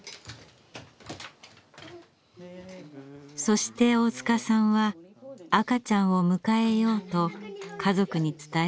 そして大塚さんは赤ちゃんを迎えようと家族に伝えました。